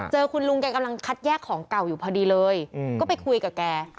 คุณลุงแกกำลังคัดแยกของเก่าอยู่พอดีเลยก็ไปคุยกับแก